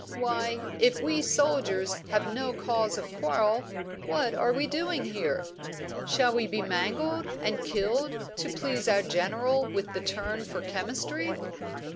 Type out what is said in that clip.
"Why, if we soldiers have no cause of quarrel, what are we doing here? Shall we be mangled and killed to please our General with the turn for chemistry?